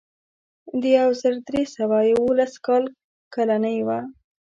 د یو زر درې سوه یوولس کال کالنۍ وه.